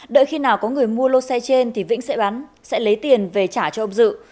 đợi khi nào có người mua lô xe trên thì vĩnh sẽ lấy tiền về trả cho ông dự